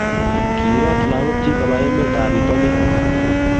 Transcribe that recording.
kiirot lagokchich koba emetab bitonin